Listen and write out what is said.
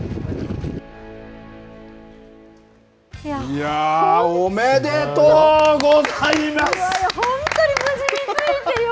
いやー、おめでとうございます。